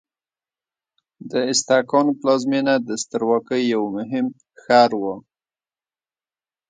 د ازتکانو پلازمینه د سترواکۍ یو مهم ښار و.